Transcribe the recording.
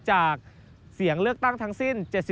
จากเสียงเลือกตั้งทั้งสิ้น๗๐